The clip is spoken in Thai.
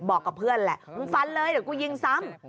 บอกกับเพื่อนแหละมึงฟันเลยเดี๋ยวกูยิงซ้ำ